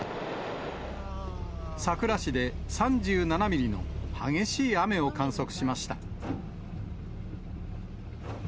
佐倉市で３７ミリの激しい雨を観測しました。